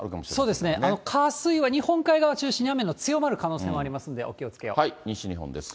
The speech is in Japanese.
そうですね、火、水は、日本海側中心に雨の強まる可能性もあ西日本です。